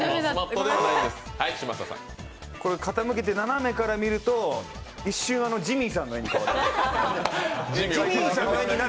傾けて斜めから見ると一瞬、ジミーさんの絵になる。